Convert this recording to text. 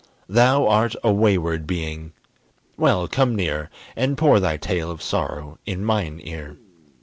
Thou art a wayward being well, come near, And pour thy tale of sorrow in mine ear.